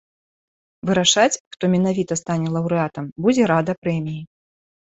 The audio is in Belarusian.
Вырашаць, хто менавіта стане лаўрэатам, будзе рада прэміі.